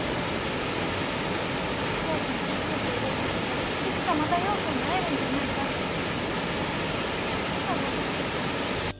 絵を描き続けていればいつかまた陽君に会えるんじゃないかってだから私。